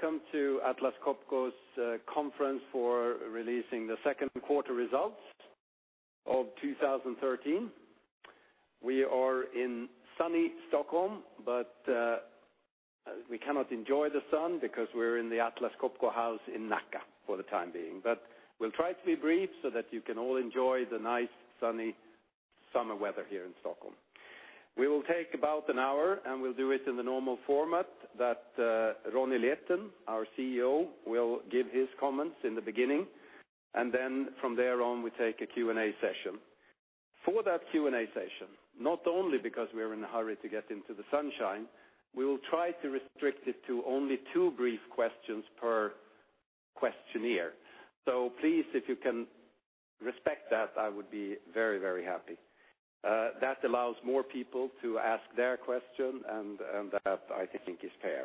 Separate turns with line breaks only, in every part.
Very welcome to Atlas Copco's conference for releasing the second quarter results of 2013. We are in sunny Stockholm, but we cannot enjoy the sun because we're in the Atlas Copco house in Nacka for the time being. We'll try to be brief so that you can all enjoy the nice, sunny summer weather here in Stockholm. We will take about an hour, and we'll do it in the normal format that Ronnie Leten, our CEO, will give his comments in the beginning, and then from there on, we take a Q&A session. For that Q&A session, not only because we're in a hurry to get into the sunshine, we will try to restrict it to only two brief questions per questionnaire. Please, if you can respect that, I would be very happy. That allows more people to ask their question, and that, I think, is fair.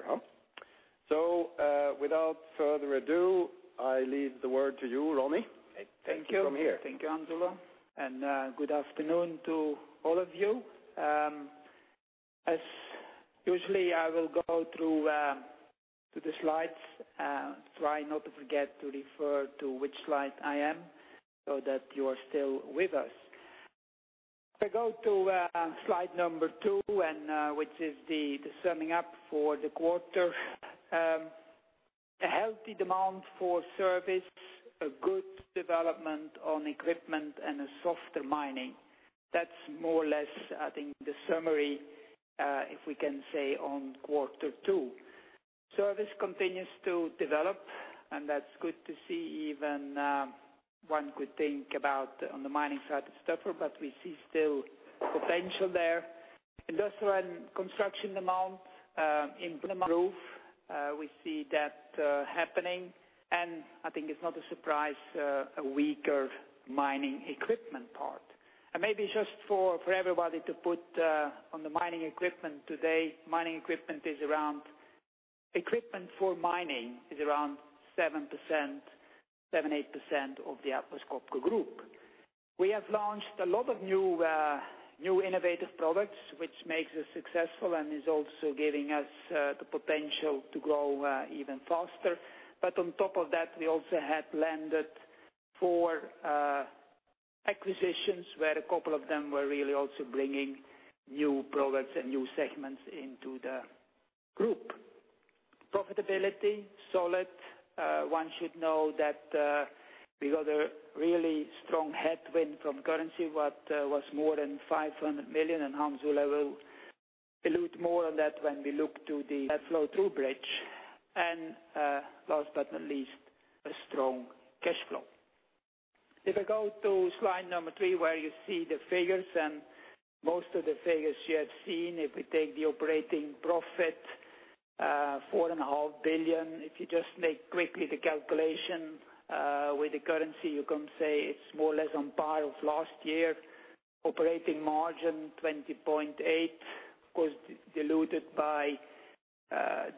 Without further ado, I leave the word to you, Ronnie.
Thank you.
Take it from here.
Thank you, Hans Ola, and good afternoon to all of you. As usual, I will go through the slides, try not to forget to refer to which slide I am so that you are still with us. Slide number two, which is the summing up for the quarter. A healthy demand for service, a good development on equipment, softer mining. That's more or less, I think, the summary, if we can say, on Q2. Service continues to develop, that's good to see. One could think about on the mining side, it's tougher, we see still potential there. Industrial and construction demand improve. We see that happening, I think it's not a surprise, a weaker mining equipment part. Maybe just for everybody to put on the mining equipment today, equipment for mining is around 7%-8% of the Atlas Copco Group. We have launched a lot of new innovative products, which makes us successful and is also giving us the potential to grow even faster. On top of that, we also have landed 4 acquisitions where a couple of them were really also bringing new products and new segments into the group. Profitability, solid. One should know that we got a really strong headwind from currency, what was more than 500 million, Hans, you will allude more on that when we look to the cash flow through bridge. Last but not least, a strong cash flow. Slide number three, where you see the figures, most of the figures you have seen. If we take the operating profit, 4.5 billion. If you just make quickly the calculation, with the currency, you can say it's more or less on par of last year. Operating margin 20.8%, of course, diluted by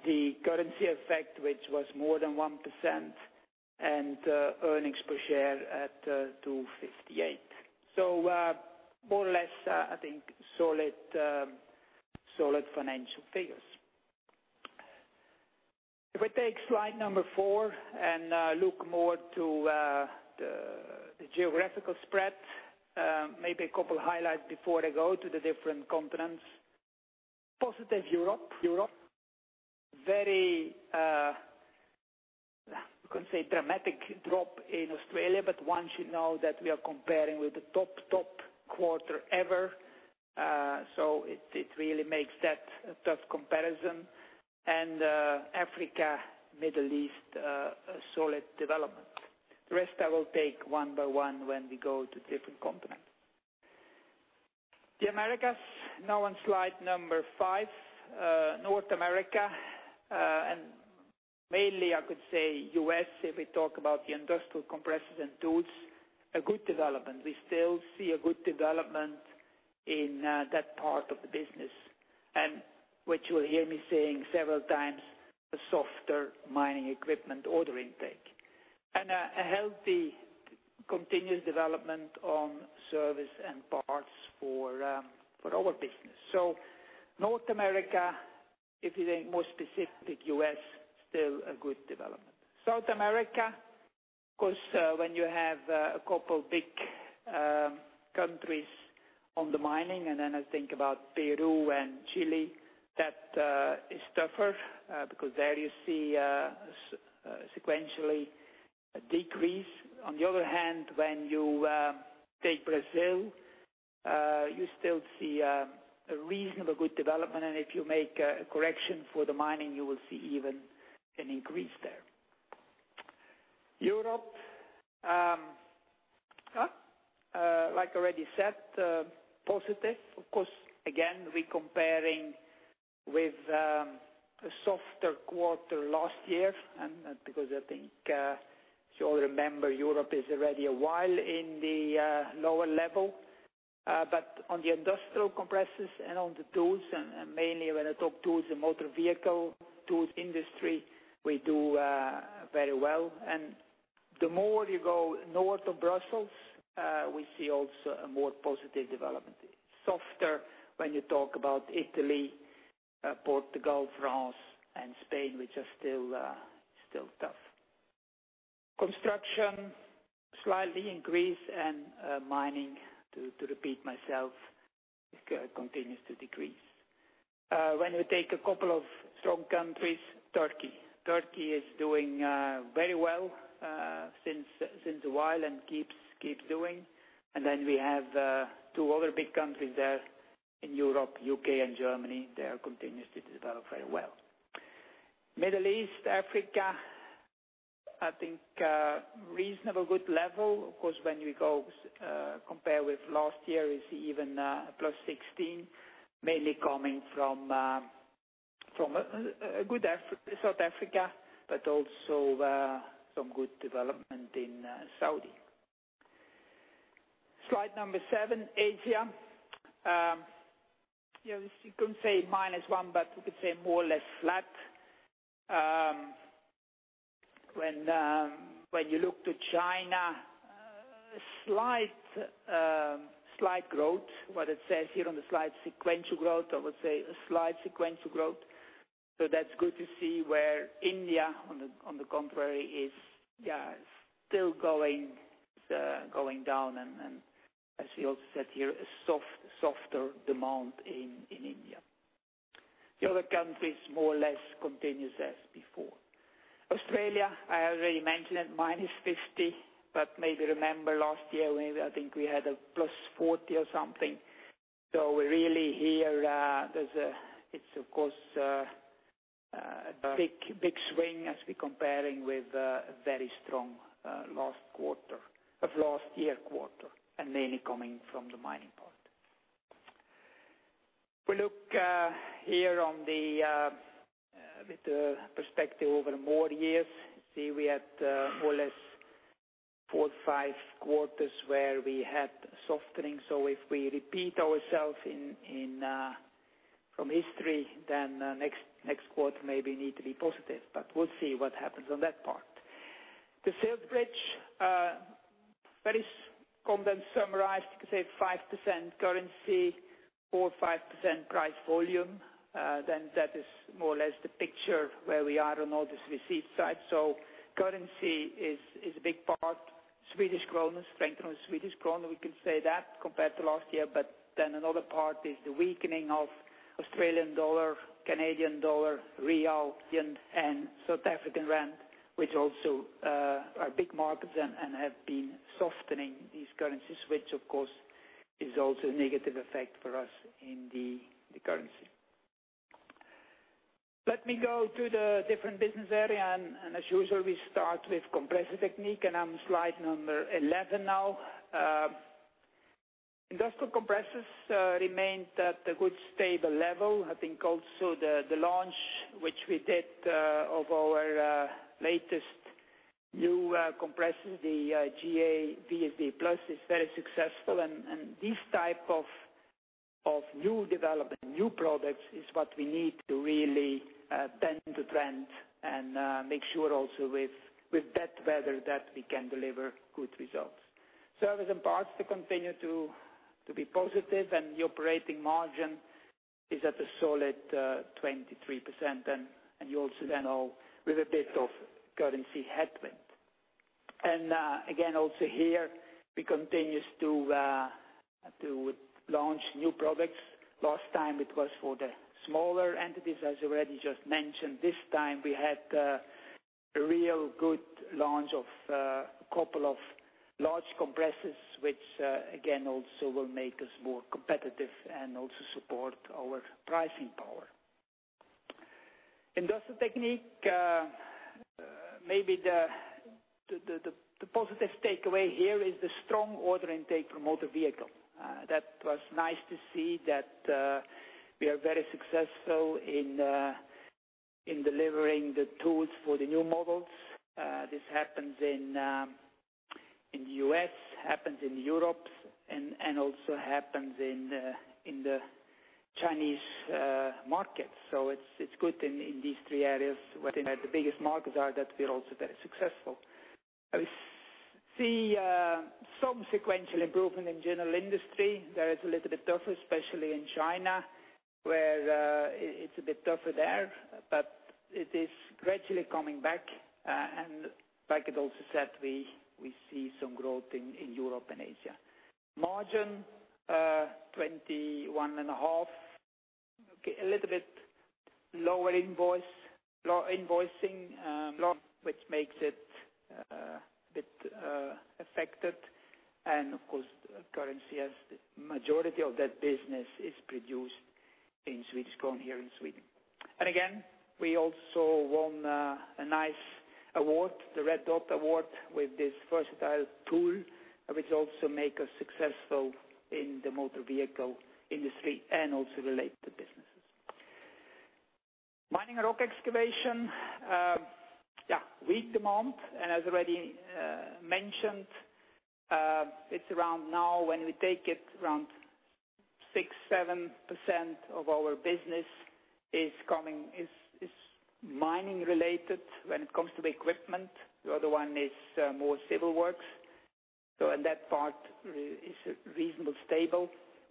the currency effect, which was more than 1%, earnings per share at 258. More or less, I think, solid financial figures. Slide number four and look more to the geographical spread. Maybe a couple highlights before I go to the different continents. Positive Europe. You can say dramatic drop in Australia, one should know that we are comparing with the top quarter ever. It really makes that tough comparison, Africa, Middle East, a solid development. The rest I will take one by one when we go to different continents. The Americas, now on slide number five. North America, mainly I could say U.S., if we talk about the industrial compressors and tools, a good development. We still see a good development in that part of the business, which you will hear me saying several times, a softer mining equipment order intake. A healthy continuous development on service and parts for our business. North America, if you think more specific, U.S., still a good development. South America, when you have a couple big countries on the mining, I think about Peru and Chile, that is tougher there you see a sequential decrease. On the other hand, when you take Brazil, you still see a reasonably good development, if you make a correction for the mining, you will see even an increase there. Europe, like I already said, positive. Of course, again, we're comparing with a softer quarter last year, because I think you all remember, Europe is already a while in the lower level. On the industrial compressors and on the tools, and mainly when I talk tools, the motor vehicle tools industry, we do very well. The more you go north of Brussels, we see also a more positive development. Softer when you talk about Italy, Portugal, France, and Spain, which are still tough. Construction, slightly increase, mining, to repeat myself, continues to decrease. When we take a couple of strong countries, Turkey. Turkey is doing very well since a while and keeps doing. We have two other big countries there in Europe, U.K. and Germany, they continue to develop very well. Middle East, Africa, I think a reasonable good level. Of course, when we compare with last year is even +16%, mainly coming from good South Africa, also some good development in Saudi. Slide seven, Asia. You could say -1%, we could say more or less flat. You look to China, slight growth. What it says here on the slide, sequential growth. I would say a slight sequential growth. That's good to see where India, on the contrary, is still going down as we also said here, a softer demand in India. The other countries more or less continues as before. Australia, I already mentioned, -50%, maybe remember last year, maybe I think we had a +40% or something. Really here, it's of course a big swing as we're comparing with a very strong of last year quarter, mainly coming from the mining part. If we look here with the perspective over more years, see we had more or less four or five quarters where we had softening. If we repeat ourself from history, next quarter maybe need to be positive, we'll see what happens on that part. The sales bridge, very condensed summarized, we could say 5% currency, 4%-5% price volume, that is more or less the picture where we are on all this receipt side. Currency is a big part. Swedish krona, strengthen of the Swedish krona, we can say that compared to last year. Another part is the weakening of Australian dollar, Canadian dollar, real, yen, and South African rand, which also are big markets and have been softening these currencies, which of course is also a negative effect for us in the currency. Let me go to the different business area. As usual, we start with Compressor Technique. I'm slide 11 now. Industrial compressors remained at a good stable level. I think also the launch which we did of our latest new compressor, the GA VSD+, is very successful. This type of new development, new products, is what we need to really bend the trend and make sure also with that together, that we can deliver good results. Service and parts continue to be positive, the operating margin is at a solid 23%. You also know with a bit of currency headwind. Again, also here, we continue to launch new products. Last time it was for the smaller entities, as I already just mentioned. This time we had a real good launch of a couple of large compressors, which again, also will make us more competitive and also support our pricing power. Industrial Technique, maybe the positive takeaway here is the strong order intake for motor vehicle. That was nice to see that we are very successful in delivering the tools for the new models. This happens in the U.S., happens in Europe, and also happens in the Chinese market. It's good in these three areas, where the biggest markets are, that we're also very successful. I see some sequential improvement in general industry. There it's a little bit tougher, especially in China, where it's a bit tougher there, but it is gradually coming back. Like I'd also said, we see some growth in Europe and Asia. Margin, 21.5%. Okay, a little bit lower invoicing, which makes it a bit affected and of course, currency as the majority of that business is produced in Swedish krona here in Sweden. Again, we also won a nice award, the Red Dot Award, with this versatile tool, which also make us successful in the motor vehicle industry and also related businesses. Mining and Rock Excavation, weak demand, and as already mentioned, it's around now when we take it around 67% of our business is mining related when it comes to the equipment. The other one is more civil works. In that part, it's reasonably stable.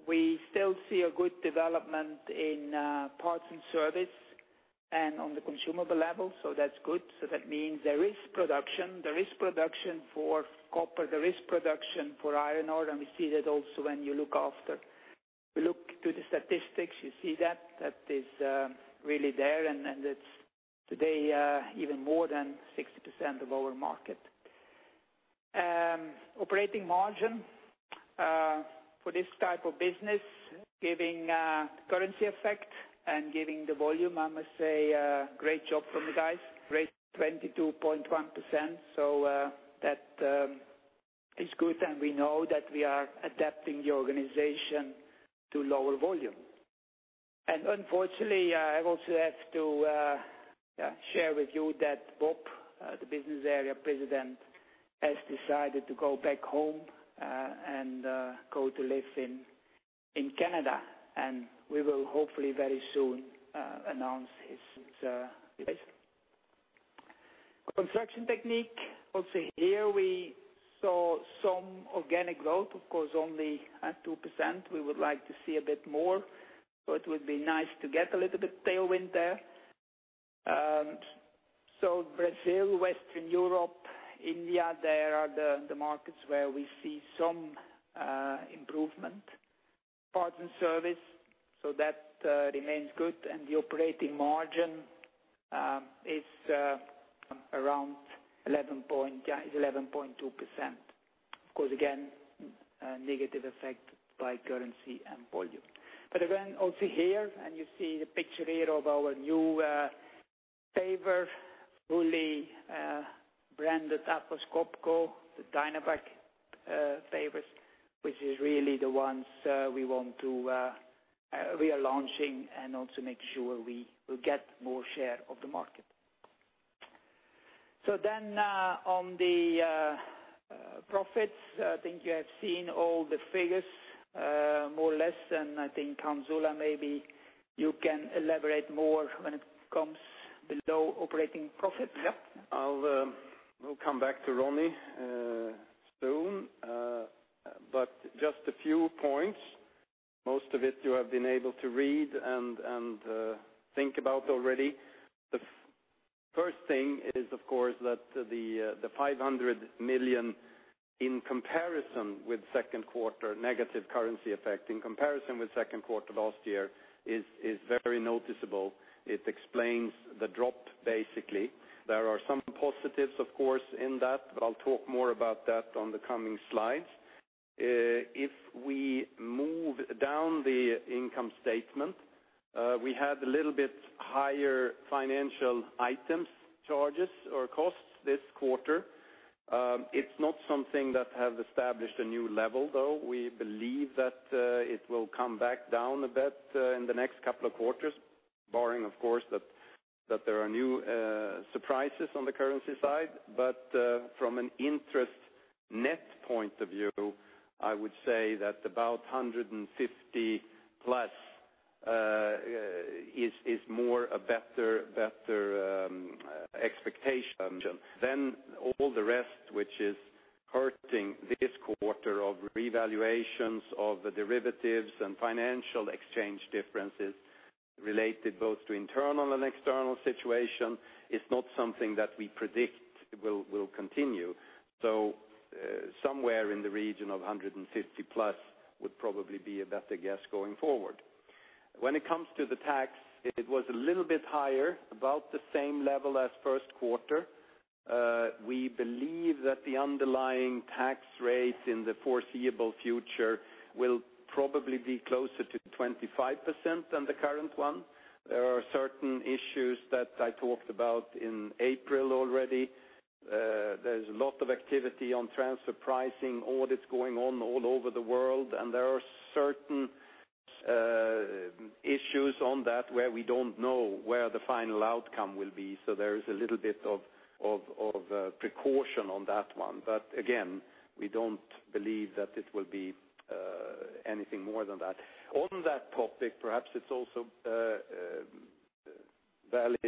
We still see a good development in parts and service and on the consumable level, so that's good. That means there is production. There is production for copper. There is production for iron ore, and we see that also when you look to the statistics, you see that is really there, and it's today even more than 60% of our market. Operating margin for this type of business, giving currency effect and giving the volume, I must say, great job from you guys. Great 22.1%. That is good, and we know that we are adapting the organization to lower volume. Unfortunately, I also have to share with you that Bob, the Business Area President, has decided to go back home and go to live in Canada, and we will hopefully very soon announce his replacement. Construction Technique. Also here we saw some organic growth, of course, only at 2%. We would like to see a bit more. It would be nice to get a little bit tailwind there. Brazil, Western Europe, India, they are the markets where we see some improvement. Parts and service. That remains good. The operating margin is around 11.2%. Of course, again, a negative effect by currency and volume. Again, also here, you see the picture here of our new paver, fully branded Atlas Copco, the Dynapac pavers, which is really the ones we are launching and also make sure we will get more share of the market. On the profits, I think you have seen all the figures, more or less, than I think Hans Ola, maybe you can elaborate more when it comes below operating profit.
We'll come back to Ronnie soon. Just a few points. Most of it you have been able to read and think about already. The first thing is, of course, that the 500 million, negative currency effect, in comparison with second quarter last year is very noticeable. It explains the drop, basically. There are some positives, of course, in that, I'll talk more about that on the coming slides. If we move down the income statement, we had a little bit higher financial items, charges or costs this quarter. It's not something that have established a new level, though. We believe that it will come back down a bit in the next couple of quarters, barring, of course, that there are new surprises on the currency side. From an interest net point of view, I would say that about 150 plus is more a better expectation. All the rest, which is hurting this quarter of revaluations of the derivatives and financial exchange differences related both to internal and external situation is not something that we predict will continue. Somewhere in the region of 150 plus would probably be a better guess going forward. When it comes to the tax, it was a little bit higher, about the same level as first quarter. We believe that the underlying tax rate in the foreseeable future will probably be closer to 25% than the current one. There are certain issues that I talked about in April already. There's a lot of activity on transfer pricing audits going on all over the world, and there are certain issues on that where we don't know where the final outcome will be. There is a little bit of precaution on that one. Again, we don't believe that it will be anything more than that. On that topic, perhaps it's also valid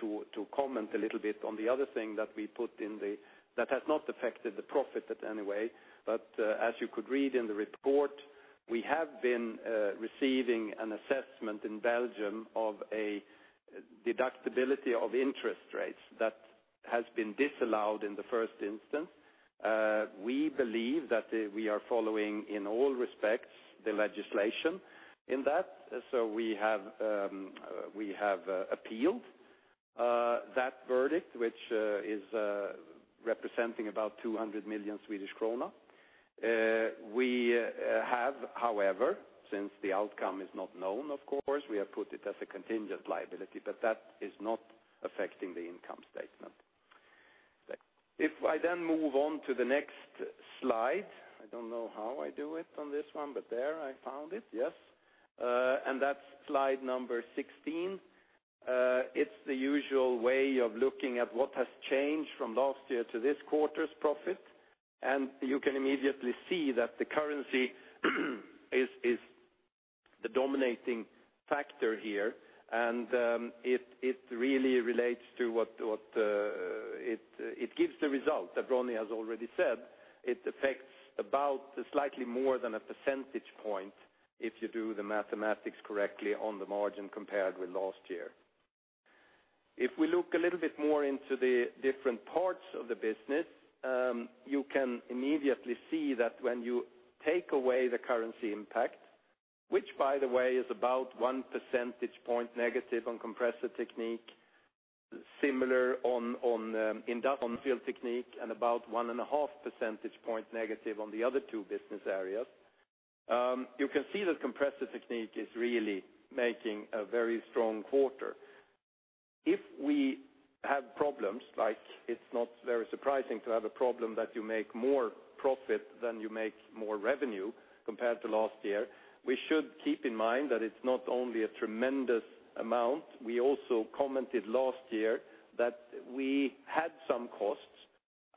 to comment a little bit on the other thing that has not affected the profit in any way. As you could read in the report, we have been receiving an assessment in Belgium of a deductibility of interest rates that has been disallowed in the first instance. We believe that we are following, in all respects, the legislation in that. We have appealed that verdict, which is representing about 200 million Swedish krona. We have, however, since the outcome is not known, of course, we have put it as a contingent liability, but that is not affecting the income statement. I then move on to the next slide. I don't know how I do it on this one, there I found it. Yes. That's slide number 16. It's the usual way of looking at what has changed from last year to this quarter's profit. You can immediately see that the currency is the dominating factor here, and it really relates to what-- It gives the result that Ronnie has already said. It affects about slightly more than a percentage point if you do the mathematics correctly on the margin compared with last year. If we look a little bit more into the different parts of the business, you can immediately see that when you take away the currency impact, which by the way, is about one percentage point negative on Compressor Technique, similar on Industrial Technique, and about one and a half percentage points negative on the other two business areas. You can see that Compressor Technique is really making a very strong quarter. If we have problems, it's not very surprising to have a problem that you make more profit than you make more revenue compared to last year. We should keep in mind that it's not only a tremendous amount. We also commented last year that we had some costs.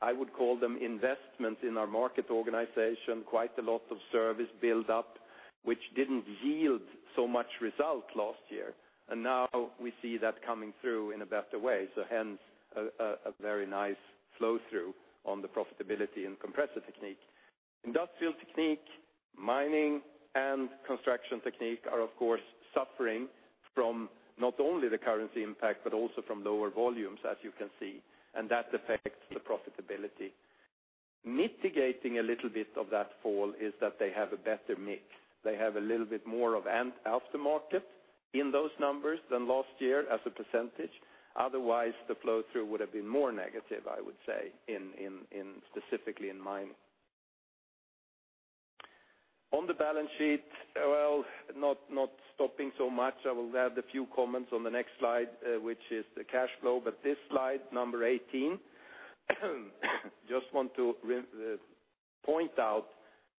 I would call them investments in our market organization, quite a lot of service build-up, which didn't yield so much result last year. Now we see that coming through in a better way. Hence, a very nice flow-through on the profitability and Compressor Technique. Industrial Technique, Mining, and Construction Technique are, of course, suffering from not only the currency impact, but also from lower volumes as you can see, and that affects the profitability. Mitigating a little bit of that fall is that they have a better mix. They have a little bit more of an aftermarket in those numbers than last year as a percentage. Otherwise, the flow-through would have been more negative, I would say, specifically in Mining. On the balance sheet, well, not stopping so much. I will add a few comments on the next slide, which is the cash flow. This slide, number 18, just want to point out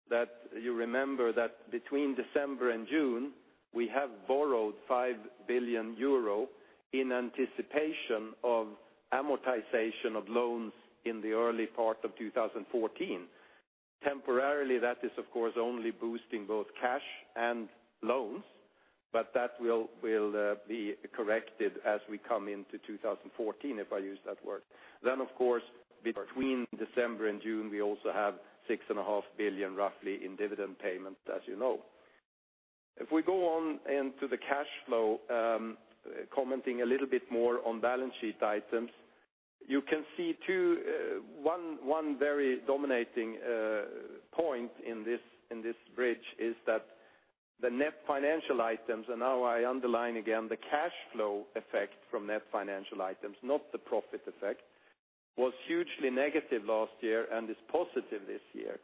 that you remember that between December and June, we have borrowed 5 billion euro in anticipation of amortization of loans in the early part of 2014. Temporarily, that is, of course, only boosting both cash and loans, but that will be corrected as we come into 2014, if I use that word. Of course, between December and June, we also have 6.5 billion roughly in dividend payments, as you know. If we go on into the cash flow, commenting a little bit more on balance sheet items, you can see one very dominating point in this bridge is that the net financial items, now I underline again, the cash flow effect from net financial items, not the profit effect, was hugely negative last year and is positive this year,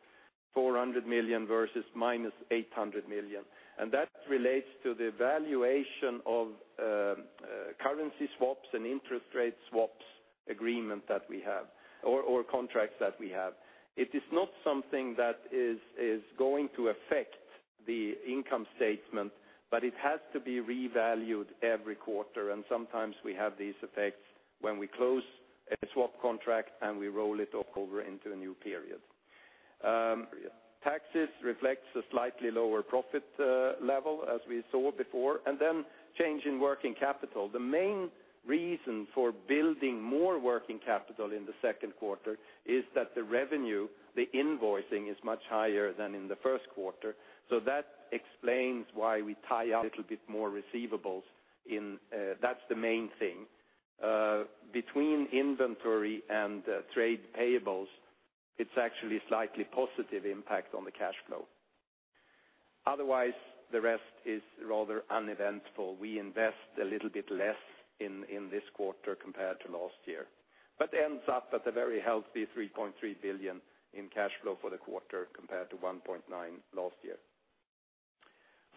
400 million versus minus 800 million. That relates to the valuation of currency swaps and interest rate swaps agreement that we have, or contracts that we have. It is not something that is going to affect the income statement, but it has to be revalued every quarter, sometimes we have these effects when we close a swap contract, and we roll it over into a new period. Taxes reflects a slightly lower profit level as we saw before, then change in working capital. The main reason for building more working capital in the second quarter is that the revenue, the invoicing, is much higher than in the first quarter. That explains why we tie up a little bit more receivables. That's the main thing. Between inventory and trade payables, it's actually a slightly positive impact on the cash flow. Otherwise, the rest is rather uneventful. We invest a little bit less in this quarter compared to last year. Ends up at the very healthy 3.3 billion in cash flow for the quarter compared to 1.9 billion last year.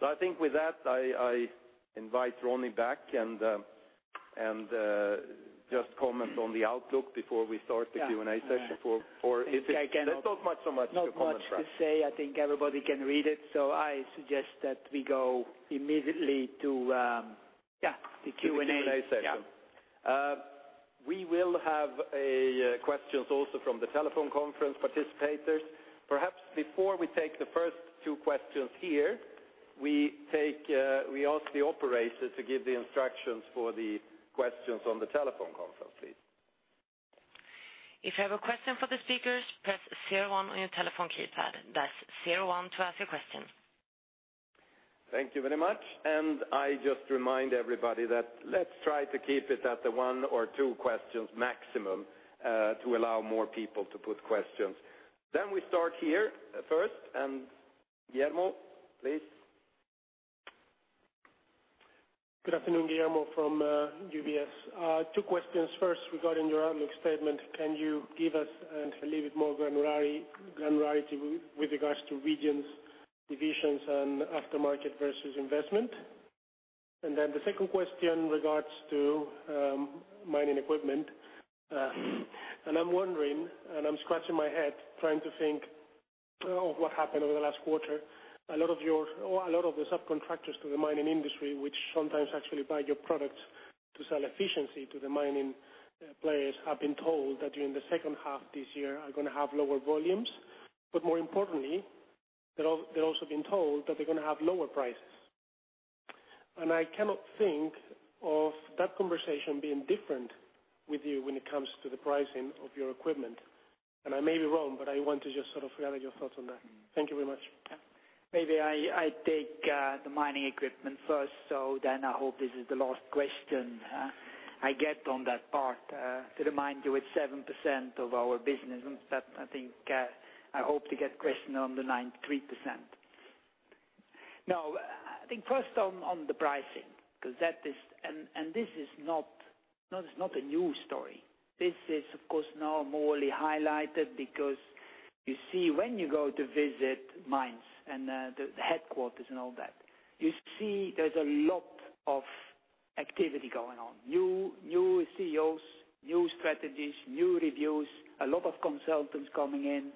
I think with that, I invite Ronnie back and just comment on the outlook before we start the Q&A session.
I think I can-
There's not much so much to comment on.
Not much to say. I think everybody can read it. I suggest that we go immediately to, yeah, the Q&A.
The Q&A session. We will have questions also from the telephone conference participators. Perhaps before we take the first two questions here, we ask the operator to give the instructions for the questions on the telephone conference, please.
If you have a question for the speakers, press 01 on your telephone keypad, that's 01 to ask your question.
Thank you very much. I just remind everybody that let's try to keep it at the one or two questions maximum, to allow more people to put questions. We start here first. Guillermo, please.
Good afternoon. Guillermo from UBS. Two questions. First, regarding your earnings statement, can you give us a little bit more granularity with regards to regions, divisions, and aftermarket versus investment? The second question regards to Mining Equipment. I'm wondering, and I'm scratching my head trying to think of what happened over the last quarter. A lot of the subcontractors to the mining industry, which sometimes actually buy your product to sell efficiency to the mining players, have been told that during the second half this year are going to have lower volumes. More importantly, they're also being told that they're going to have lower prices. I cannot think of that conversation being different with you when it comes to the pricing of your equipment. I may be wrong, but I want to just sort of gather your thoughts on that. Thank you very much.
Maybe I take the mining equipment first. I hope this is the last question I get on that part. To remind you, it's 7% of our business. I hope to get a question on the 93%. I think first on the pricing, this is not a new story. This is, of course, now more highlighted because you see when you go to visit mines and the headquarters and all that, you see there's a lot of activity going on. New CEOs, new strategies, new reviews, a lot of consultants coming in,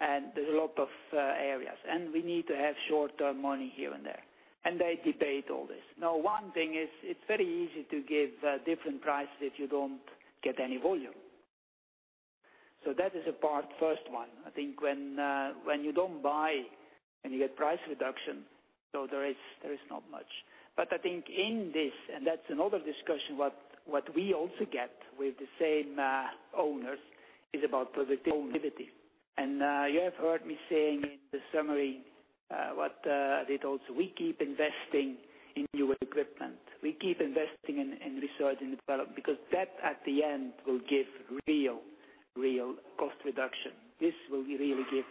and there's a lot of areas. We need to have short-term money here and there. They debate all this. One thing is, it's very easy to give different prices if you don't get any volume. That is a part, first one. I think when you don't buy and you get price reduction, there is not much. I think in this, and that's another discussion, what we also get with the same owners is about productivity. You have heard me saying in the summary what results. We keep investing in new equipment. We keep investing in research and development because that at the end will give real cost reduction. This will really give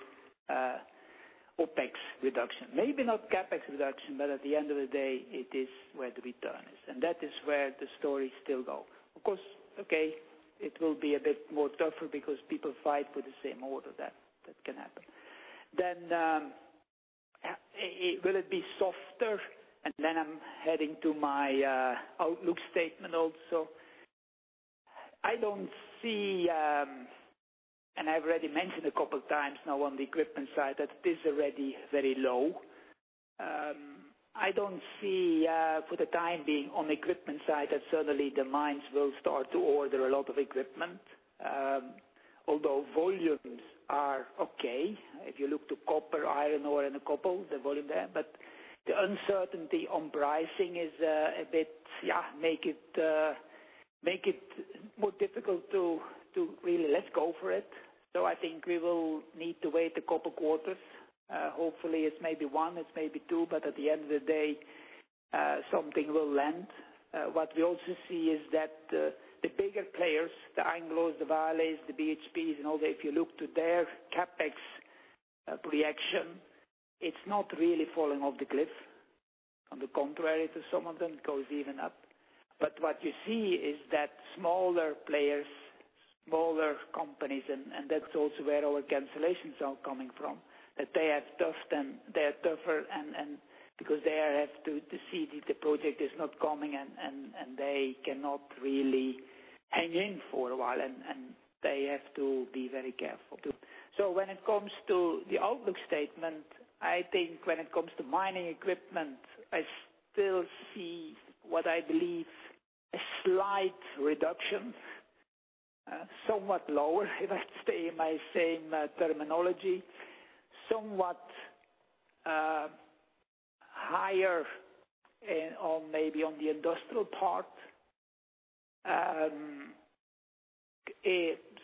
OPEX reduction. Maybe not CapEx reduction, but at the end of the day, it is where the return is. That is where the story still goes. Of course, okay, it will be a bit more tougher because people fight for the same order that can happen. Will it be softer? I'm heading to my outlook statement also. I don't see, I've already mentioned a couple of times now on the equipment side that it is already very low. I don't see, for the time being on the equipment side, that suddenly the mines will start to order a lot of equipment. Although volumes are okay, if you look to copper, iron ore in a couple, the volume there. The uncertainty on pricing make it more difficult to really, let's go for it. I think we will need to wait a couple quarters. Hopefully it's maybe one, it's maybe two, but at the end of the day, something will land. What we also see is that the bigger players, the Anglos, the Vales, the BHPs and all that, if you look to their CapEx reaction, it's not really falling off the cliff. On the contrary to some of them, it goes even up. What you see is that smaller players, smaller companies, that's also where our cancellations are coming from, that they are tougher because they have to see that the project is not coming they cannot really hang in for a while, they have to be very careful, too. When it comes to the outlook statement, I think when it comes to mining equipment, I still see what I believe a slight reduction, somewhat lower, if I stay in my same terminology. Somewhat higher maybe on the industrial part.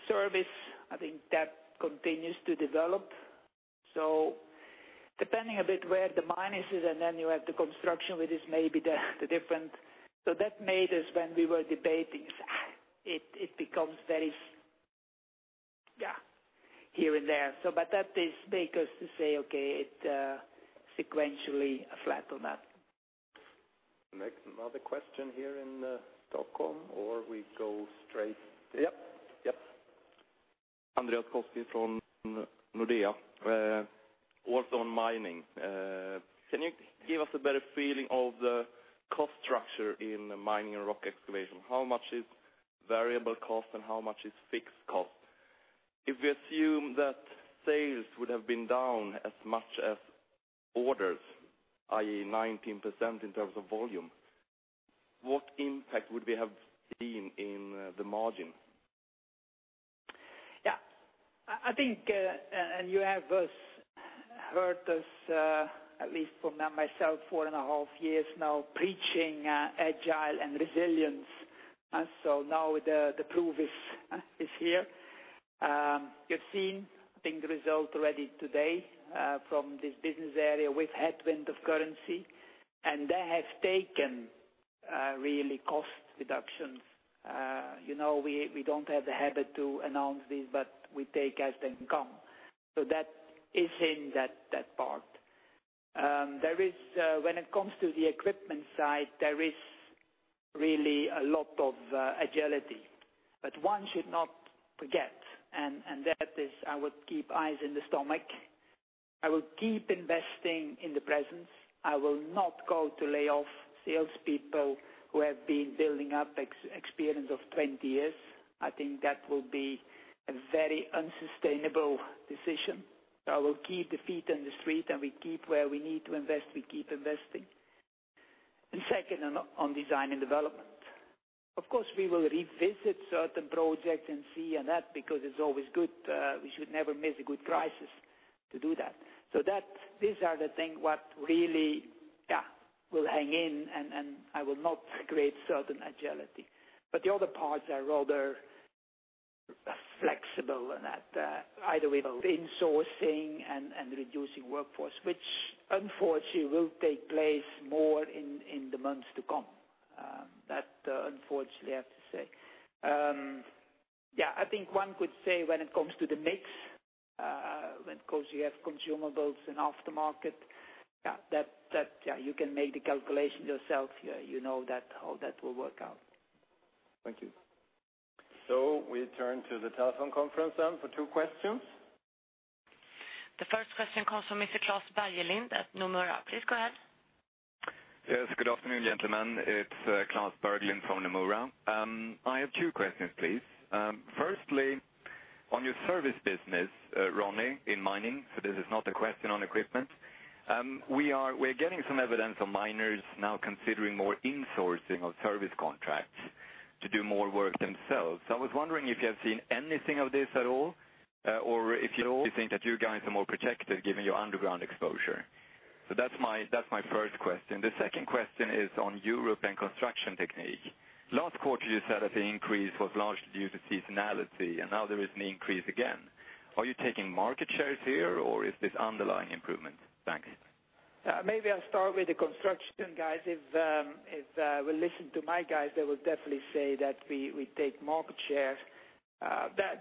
Service, I think that continues to develop. Depending a bit where the minus is, you have the construction, which is maybe the different. That made us when we were debating, it becomes very here and there. That make us to say, okay, it sequentially a flat or not.
Next, another question here in Stockholm, or we go straight.
Yep.
Andreas Koski from Nordea. Also on Mining. Can you give us a better feeling of the cost structure in Mining and Rock Excavation? How much is variable cost and how much is fixed cost? If we assume that sales would have been down as much as orders, i.e., 19% in terms of volume, what impact would we have seen in the margin?
Yeah. I think, you have heard us, at least from myself, four and a half years now preaching agile and resilience. Now the proof is here. You've seen, I think the result already today from this business area with headwind of currency, they have taken really cost reductions. We don't have the habit to announce this, but we take as they come. That is in that part. When it comes to the equipment side, there is really a lot of agility. One should not forget, and that is I would keep eyes in the stomach. I will keep investing in the presence. I will not go to lay off salespeople who have been building up experience of 20 years. I think that will be a very unsustainable decision. I will keep the feet in the street, we keep where we need to invest, we keep investing. Second, on design and development. Of course, we will revisit certain projects and see that, because it's always good. We should never miss a good crisis to do that. These are the things what really will hang in, I will not create certain agility. The other parts are rather flexible in that. Either with insourcing and reducing workforce, which unfortunately will take place more in the months to come. That, unfortunately, I have to say. I think one could say when it comes to the mix, when of course you have consumables and aftermarket, you can make the calculation yourself. You know how that will work out.
Thank you.
We turn to the telephone conference for two questions.
The first question comes from Mr. Klas Bergelind at Nomura. Please go ahead.
Yes. Good afternoon, gentlemen. It's Klas Bergelind from Nomura. I have two questions, please. Firstly, on your service business, Ronnie, in mining, this is not a question on equipment. We're getting some evidence on miners now considering more insourcing of service contracts to do more work themselves. I was wondering if you have seen anything of this at all, or if you think that you guys are more protected given your underground exposure. That's my first question. The second question is on Europe and Construction Technique. Last quarter, you said that the increase was largely due to seasonality, now there is an increase again. Are you taking market shares here, or is this underlying improvement? Thanks.
Maybe I'll start with the construction guys. If you will listen to my guys, they will definitely say that we take market share.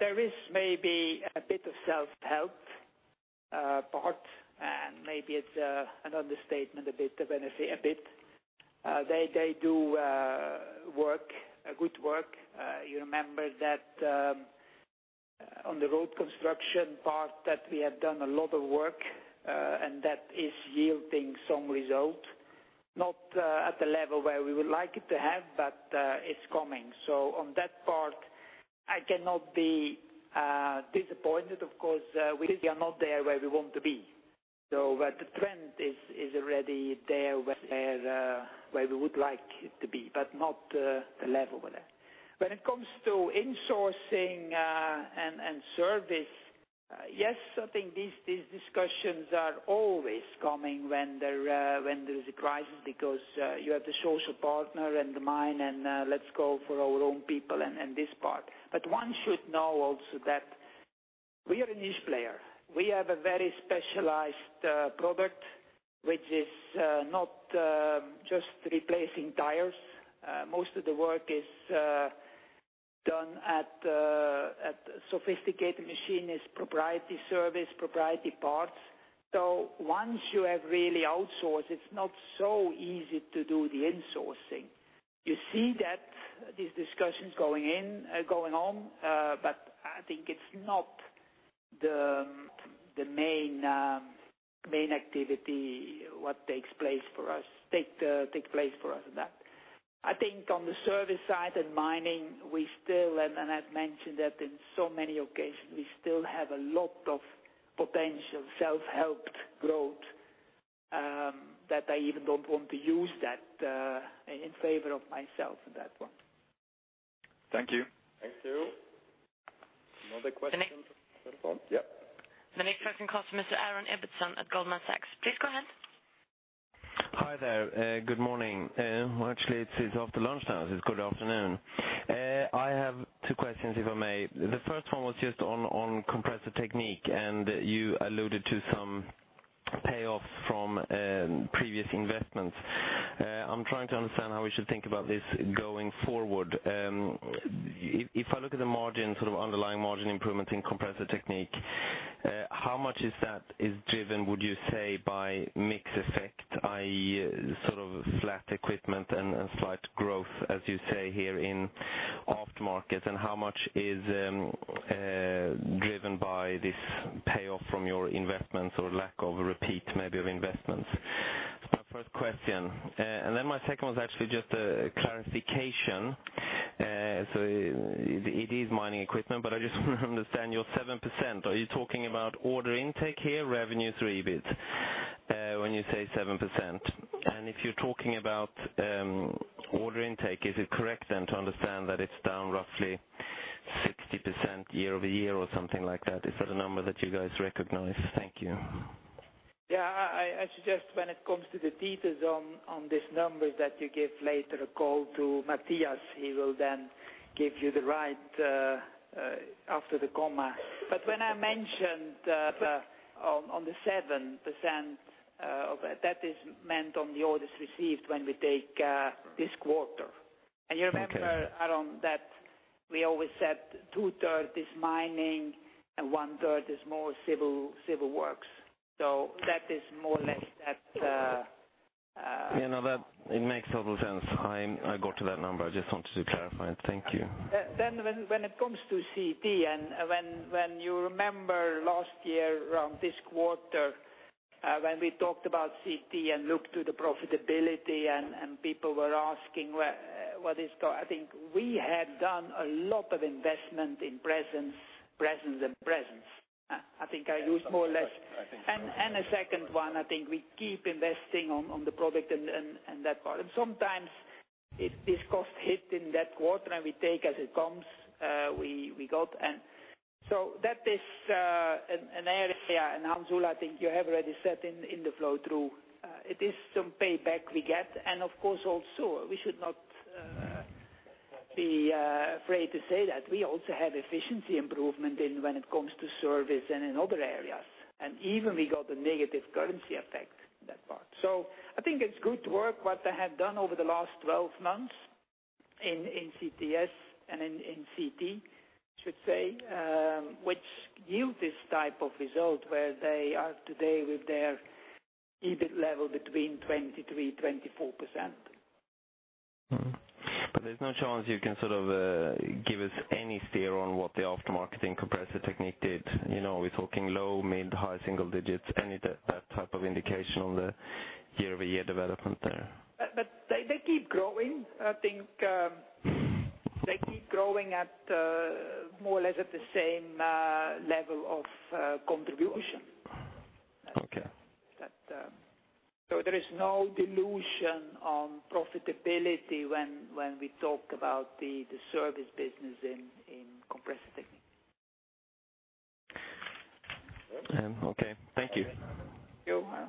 There is maybe a bit of self-help part, maybe it's an understatement a bit, when I say a bit. They do good work. You remember that on the road construction part, that we have done a lot of work, that is yielding some result. Not at the level where we would like it to have, but it's coming. On that part, I cannot be disappointed. Of course, we are not there where we want to be. The trend is already there, where we would like it to be, but not the level there. When it comes to insourcing and service, yes, I think these discussions are always coming when there's a crisis because you have the social partner and the mine, and let's go for our own people and this part. One should know also that we are a niche player. We have a very specialized product, which is not just replacing tires. Most of the work is done at sophisticated machines, proprietary service, proprietary parts. Once you have really outsourced, it's not so easy to do the insourcing. You see these discussions going on, but I think it's not the main activity, what takes place for us in that. I think on the service side and mining, and I've mentioned that in so many occasions, we still have a lot of potential self-helped growth that I even don't want to use that in favor of myself in that one.
Thank you.
Thank you. Another question? Yes.
The next question comes from Mr. Aaron Ibbotson at Goldman Sachs. Please go ahead.
Hi there. Good morning. Well, actually it's after lunchtime, so it's good afternoon. I have two questions, if I may. The first one was just on Compressor Technique, and you alluded to some payoffs from previous investments. I am trying to understand how we should think about this going forward. If I look at the margin, sort of underlying margin improvement in Compressor Technique, how much is that is driven, would you say, by mix effect, i.e., sort of flat equipment and slight growth, as you say here in aftermarket? How much is driven by this payoff from your investments or lack of repeat maybe of investments? That's my first question. My second one is actually just a clarification. It is mining equipment, but I just want to understand your 7%. Are you talking about order intake here, revenue through EBIT, when you say 7%? If you're talking about order intake, is it correct then to understand that it's down roughly 60% year-over-year or something like that? Is that a number that you guys recognize? Thank you.
Yeah. I suggest when it comes to the details on these numbers that you give later a call to Mattias. He will give you the right after the comma. When I mentioned on the 7%, that is meant on the orders received when we take this quarter.
Okay.
You remember, Aaron, that we always said two-thirds is mining and one-third is more civil works. That is more or less that-
No, it makes total sense. I got to that number. I just wanted to clarify. Thank you.
When it comes to CT, when you remember last year around this quarter, when we talked about CT and looked to the profitability people were asking what is. I think we have done a lot of investment in presence, and presence. I think I lose more or less.
I think so.
A second one, I think we keep investing on the product and that part. Sometimes it is cost hit in that quarter, and we take as it comes. That is an area, Hans Ola, I think you have already said in the flow through. It is some payback we get, of course also we should not be afraid to say that we also have efficiency improvement when it comes to service in other areas, even we got a negative currency effect that part. I think it's good work what they have done over the last 12 months in CTS and in CT, should say, which yield this type of result where they are today with their EBIT level between 23%-24%.
There's no chance you can sort of, give us any steer on what the aftermarket and Compressor Technique did. We're talking low, mid, high single digits. Any that type of indication on the year-over-year development there?
They keep growing. I think they keep growing at more or less at the same level of contribution.
Okay.
There is no dilution on profitability when we talk about the service business in Compressor Technique.
Okay. Thank you.
You're welcome.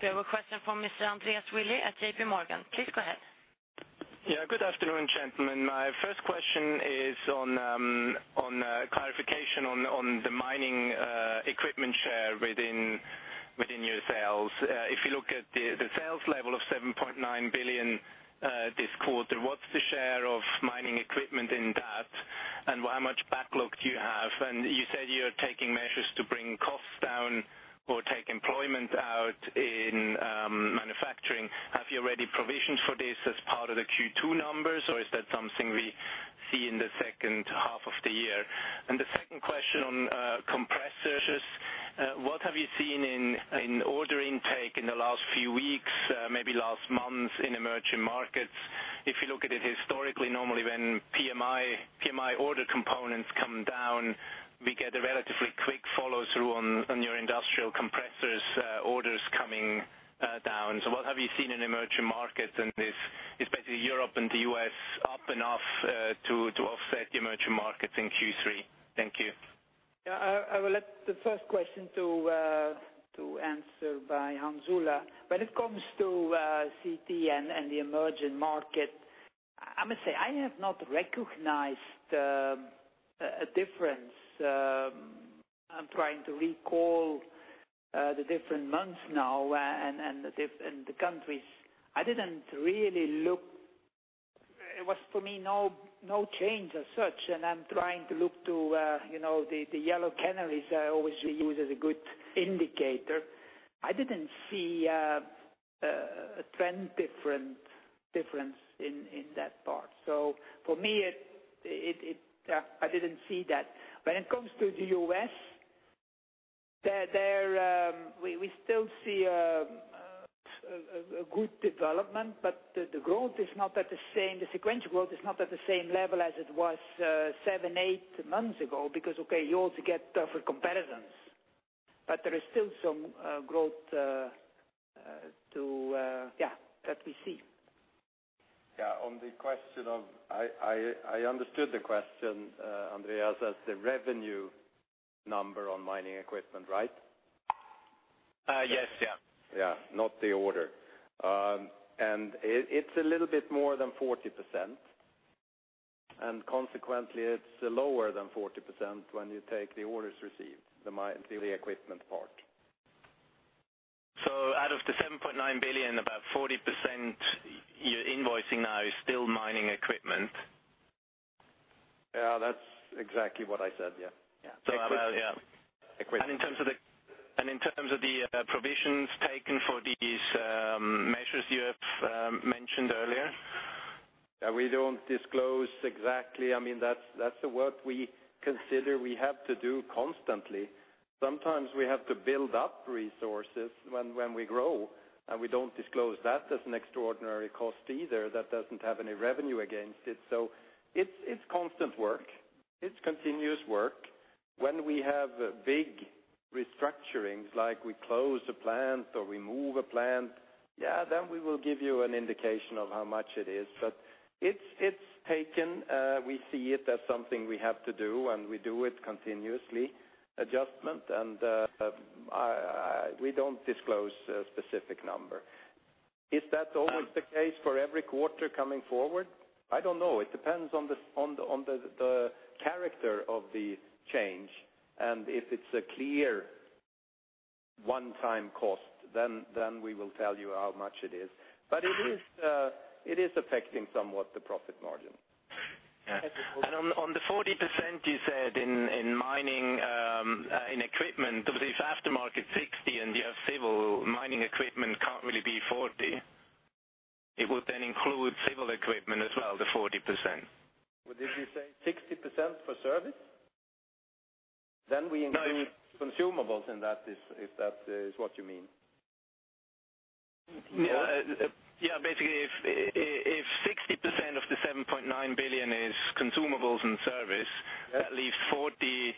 We have a question from Mr. Andreas Willi at JP Morgan. Please go ahead.
Good afternoon, gentlemen. My first question is on clarification on the mining equipment share within your sales. If you look at the sales level of 7.9 billion this quarter, what's the share of mining equipment in that, and how much backlog do you have? You said you're taking measures to bring costs down or take employment out in manufacturing. Have you already provisioned for this as part of the Q2 numbers, or is that something we see in the second half of the year? The second question on compressors. What have you seen in order intake in the last few weeks, maybe last month in emerging markets? If you look at it historically, normally when PMI order components come down, we get a relatively quick follow-through on your industrial compressors orders coming down. What have you seen in emerging markets, is basically Europe and the U.S. up enough to offset the emerging markets in Q3? Thank you.
I will let the first question to answer by Hans Ola. When it comes to CT and the emerging market, I must say I have not recognized a difference. I'm trying to recall the different months now and the countries. It was for me no change as such, and I'm trying to look to the yellow canaries I always use as a good indicator. I didn't see a trend difference in that part. For me, I didn't see that. When it comes to the U.S., we still see a good development, but the sequential growth is not at the same level as it was seven, eight months ago. Okay, you also get tougher comparisons, but there is still some growth that we see.
I understood the question, Andreas, as the revenue number on mining equipment, right?
Yes.
Not the order. It's a little bit more than 40%, and consequently it's lower than 40% when you take the orders received, the equipment part.
Out of the 7.9 billion, about 40% you're invoicing now is still mining equipment.
Yeah, that's exactly what I said. Yeah.
Yeah. In terms of the provisions taken for these measures you have mentioned earlier?
We don't disclose exactly. That's the work we consider we have to do constantly. Sometimes we have to build up resources when we grow, we don't disclose that as an extraordinary cost either. That doesn't have any revenue against it. It's constant work. It's continuous work. When we have big restructurings, like we close a plant or we move a plant, yeah, then we will give you an indication of how much it is. It's taken. We see it as something we have to do, and we do it continuously, adjustment, we don't disclose a specific number. Is that always the case for every quarter coming forward? I don't know. It depends on the character of the change, if it's a clear one-time cost, then we will tell you how much it is. It is affecting somewhat the profit margin.
On the 40% you said in mining, in equipment, if aftermarket 60% and you have civil, mining equipment can't really be 40%. It would then include civil equipment as well, the 40%.
Well, did you say 60% for service? We include consumables in that, if that is what you mean.
Yeah. Basically, if 60% of the 7.9 billion is consumables and service-
Yeah
at least 40%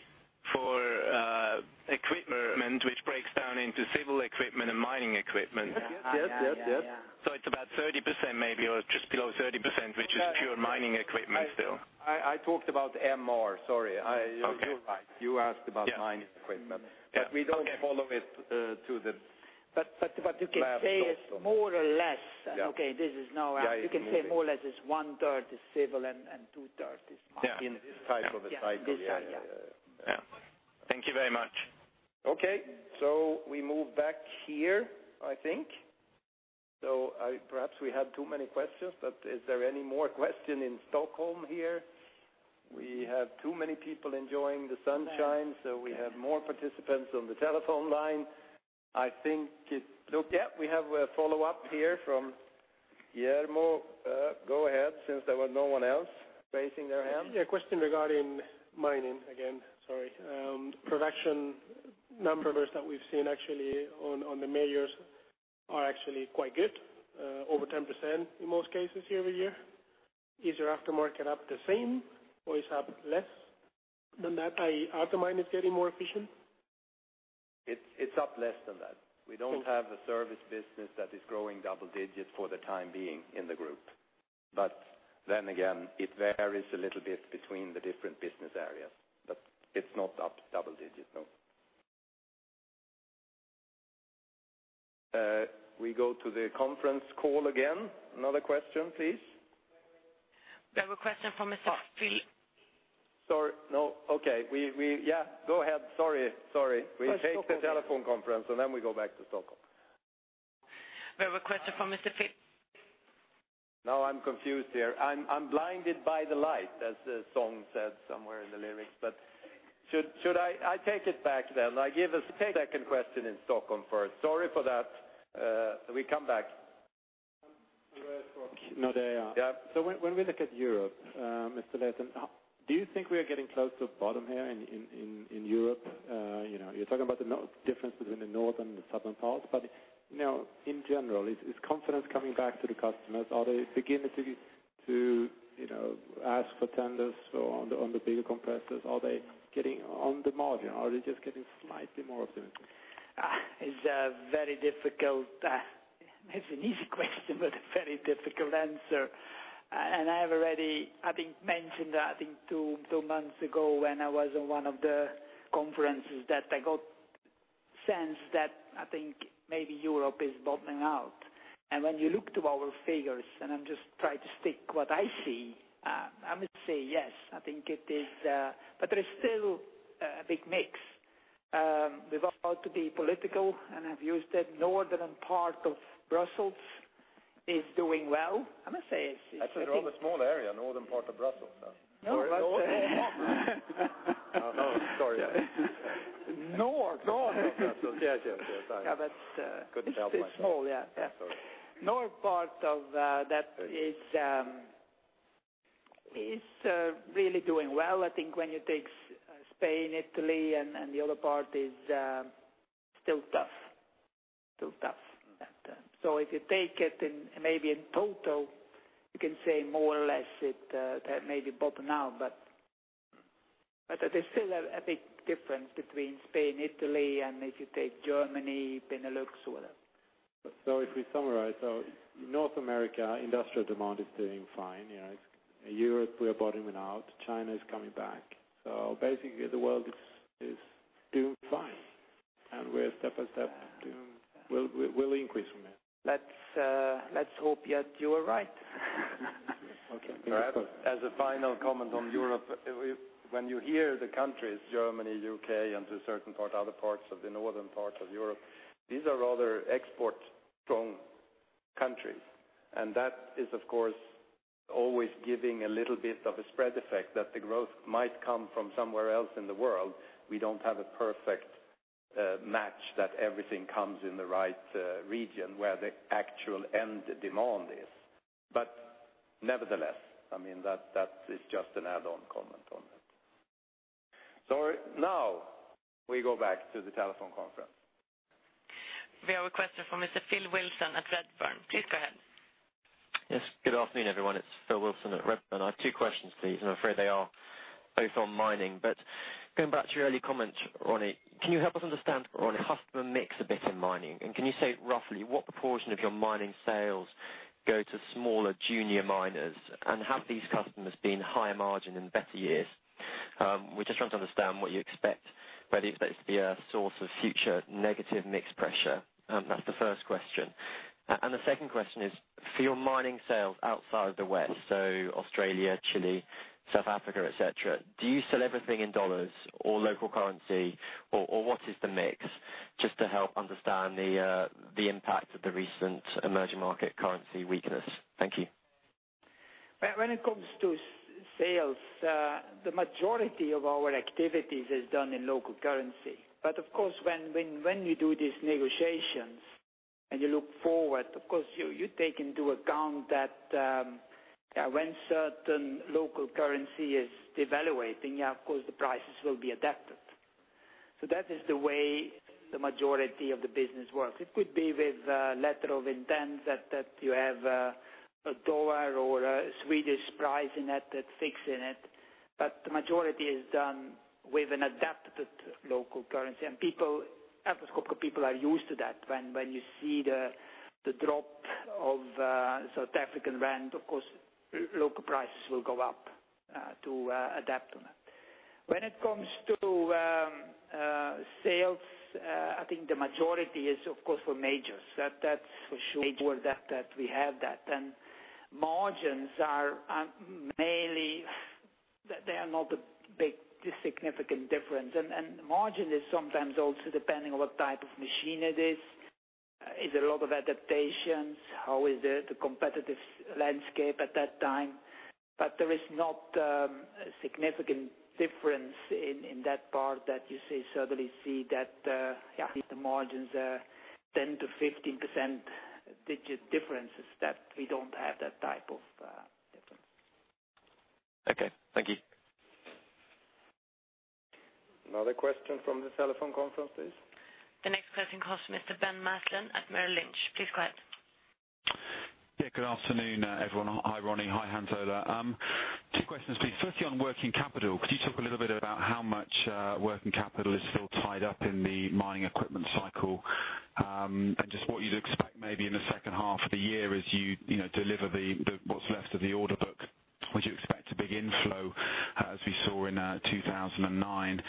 which breaks down into civil equipment and mining equipment.
Yes.
It's about 30%, maybe, or just below 30%, which is pure mining equipment still.
I talked about MR, sorry.
Okay. You're right. You asked about mining equipment.
Yeah. We don't follow it to the-
Lab results You can say it's more or less.
Yeah. Okay, you can say more or less it's one-third is civil and two-thirds is mining.
Yeah. In this type of a cycle, yeah.
Yeah. Thank you very much.
Okay. We move back here, I think. Perhaps we had too many questions, but are there any more questions in Stockholm here? We have too many people enjoying the sunshine, we have more participants on the telephone line. I think. Yeah, we have a follow-up here from Guillermo. Go ahead, since there were no one else raising their hand.
Yeah, a question regarding mining again, sorry. Production numbers that we've seen actually on the majors are actually quite good. Over 10% in most cases year-over-year. Is your aftermarket up the same, or it's up less than that, i.e., are the miners getting more efficient?
It's up less than that. We don't have a service business that is growing double digits for the time being in the group. Again, it varies a little bit between the different business areas. It's not up double digit, no. We go to the conference call again. Another question, please.
We have a question from Mr. Phil.
Sorry. No. Okay. Yeah. Go ahead. Sorry. We take the telephone conference. Then we go back to Stockholm.
We have a question from Mr. Phil.
I'm confused here. I'm blinded by the light, as the song said somewhere in the lyrics. I take it back then. Give a second question in Stockholm first. Sorry for that. We come back.
No, there.
Yeah.
When we look at Europe, Mr. Leten, do you think we are getting close to bottom here in Europe? You're talking about the difference between the north and the southern part, but now in general, is confidence coming back to the customers? Are they beginning to ask for tenders on the bigger compressors? Are they getting on the margin, or are they just getting slightly more optimistic?
It's an easy question, but a very difficult answer. I have already, I think, mentioned, I think two months ago when I was in one of the conferences, that I got the sense that I think maybe Europe is bottoming out. When you look to our figures, and I'm just trying to state what I see, I must say yes. I think it is, but there is still a big mix. Without to be political, and I've used it, northern part of Brussels is doing well.
A rather small area, northern part of Brussels.
No.
Oh, no. Sorry.
North.
North of Brussels. Yeah. Sorry.
Yeah, that's. Couldn't help myself. It's small. Yeah.
Sorry.
North part of that is really doing well. I think when you take Spain, Italy, the other part is still tough. If you take it maybe in total, you can say more or less it may be bottoming out, but there's still a big difference between Spain, Italy, and if you take Germany, Benelux.
If we summarize, so North America, industrial demand is doing fine. Europe, we are bottoming out. China is coming back. Basically, the world is doing fine, and we're step by step We'll increase from here.
Let's hope, yeah, you are right.
Okay.
As a final comment on Europe, when you hear the countries, Germany, U.K., and to a certain part, other parts of the northern part of Europe, these are rather export-strong countries. That is, of course, always giving a little bit of a spread effect that the growth might come from somewhere else in the world. We don't have a perfect match that everything comes in the right region where the actual end demand is. Nevertheless, that is just an add-on comment on it. Now we go back to the telephone conference.
We have a question from Mr. Philip Wilson at Redburn. Please go ahead.
Yes. Good afternoon, everyone. It's Philip Wilson at Redburn. I have two questions, please, and I'm afraid they are both on mining. Going back to your earlier comment, Ronnie, can you help us understand on customer mix a bit in mining, and can you say roughly what proportion of your mining sales go to smaller junior miners, and have these customers been higher margin in better years? We're just trying to understand what you expect, whether you expect it to be a source of future negative mix pressure. That's the first question. The second question is, for your mining sales outside the West, so Australia, Chile, South Africa, et cetera, do you sell everything in dollars or local currency, or what is the mix? Just to help understand the impact of the recent emerging market currency weakness. Thank you.
When it comes to sales, the majority of our activities is done in local currency. Of course, when you do these negotiations and you look forward, of course, you take into account that when certain local currency is devaluating, of course, the prices will be adapted. That is the way the majority of the business works. It could be with a letter of intent that you have a dollar or a Swedish price in it that's fixed in it. The majority is done with an adapted local currency. Atlas Copco people are used to that. When you see the drop of South African rand, of course, local prices will go up to adapt to that. When it comes to sales, I think the majority is, of course, for majors. That's for sure, that we have that. Margins are mainly, they are not a big significant difference. Margin is sometimes also depending on what type of machine it is. Is it a lot of adaptations? How is the competitive landscape at that time? There is not a significant difference in that part that you suddenly see that, yeah, the margins are 10%-15% digit differences, that we don't have that type of difference.
Okay, thank you.
Another question from the telephone conference, please.
The next question comes from Mr. Ben Maslen at Merrill Lynch. Please go ahead.
Good afternoon, everyone. Hi, Ronnie. Hi, Hans Ola. Two questions, please. Firstly, on working capital, could you talk a little bit about how much working capital is still tied up in the mining equipment cycle? Just what you'd expect maybe in the second half of the year as you deliver what's left of the order book. Would you expect a big inflow as we saw in 2009?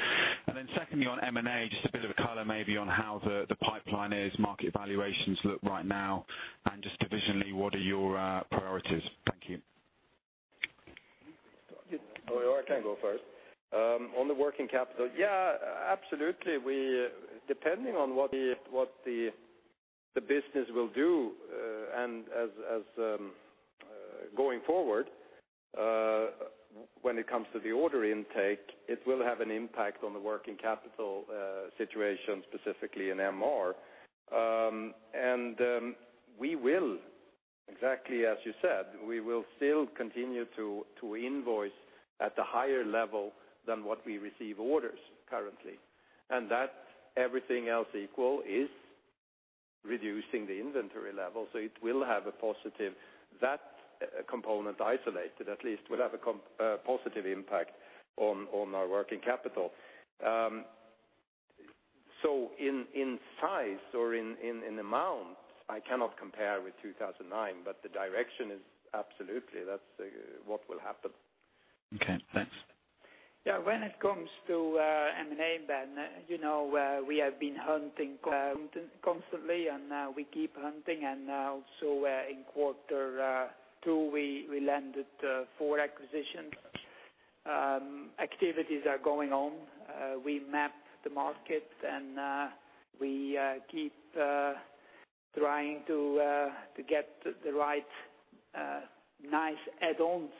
Secondly, on M&A, just a bit of color maybe on how the pipeline is, market valuations look right now, and just divisionally, what are your priorities? Thank you.
You can start.
I can go first. On the working capital, absolutely. Depending on what the business will do and as going forward, when it comes to the order intake, it will have an impact on the working capital situation, specifically in MR. We will, exactly as you said, we will still continue to invoice at a higher level than what we receive orders currently. That, everything else equal, is reducing the inventory level. It will have a positive. That component isolated, at least, will have a positive impact on our working capital. In size or in amount, I cannot compare with 2009, the direction is absolutely, that's what will happen.
Okay, thanks.
Yeah. When it comes to M&A, Ben, we have been hunting constantly. We keep hunting, also in quarter two, we landed four acquisitions. Activities are going on. We map the market, and we keep trying to get the right nice add-ons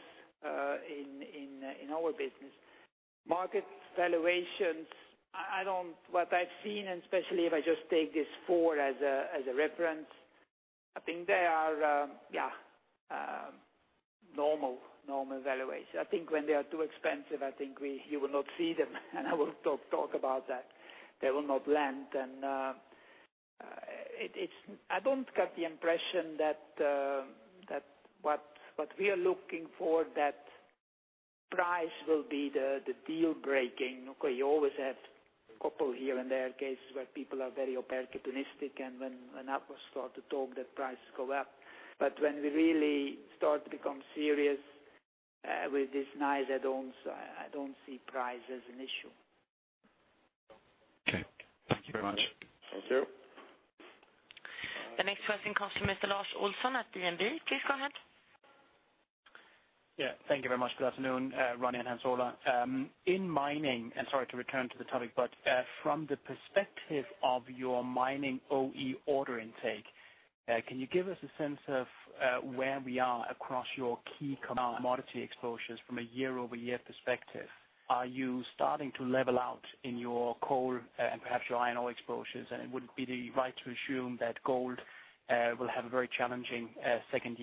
in our business. Market valuations, what I've seen, and especially if I just take these four as a reference, I think they are normal valuations. I think when they are too expensive, I think you will not see them, and I will not talk about that. They will not land. I don't get the impression that what we are looking for, that price will be the deal breaking. Okay, you always have a couple here and there cases where people are very opportunistic, and when apples start to talk, the prices go up. When we really start to become serious with these nice add-ons, I don't see price as an issue.
Okay. Thank you very much.
Thank you.
The next question comes from Mr. Lars Olsson at DNB. Please go ahead.
Thank you very much. Good afternoon, Ronnie and Hans Ola. In mining, sorry to return to the topic, but from the perspective of your mining OE order intake, can you give us a sense of where we are across your key commodity exposures from a year-over-year perspective? Are you starting to level out in your coal and perhaps your iron ore exposures? Would it be right to assume that gold will have a very challenging second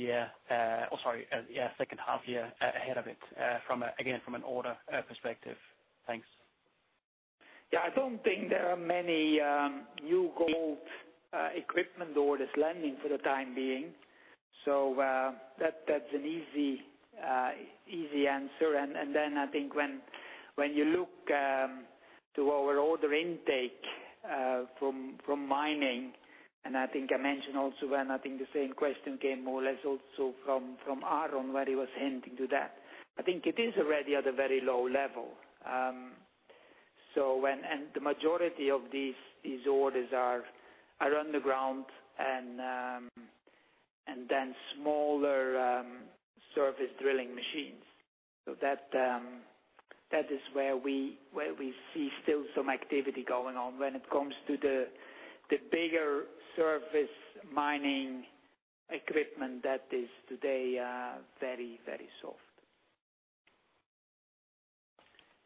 half year ahead of it, again, from an order perspective? Thanks.
Yeah, I don't think there are many new gold equipment orders landing for the time being. That's an easy answer. I think when you look to our order intake from mining, I think I mentioned also when I think the same question came more or less also from Aaron, where he was hinting to that. I think it is already at a very low level. The majority of these orders are underground and then smaller surface drilling machines. That is where we see still some activity going on. When it comes to the bigger surface mining equipment, that is today very soft.